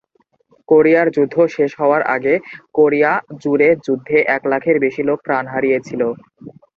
কোরিয়ার যুদ্ধ শুরু হওয়ার আগে কোরিয়া জুড়ে যুদ্ধে এক লাখের বেশি লোক প্রাণ হারিয়েছিল।